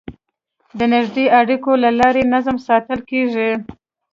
د نږدې اړیکو له لارې نظم ساتل کېږي.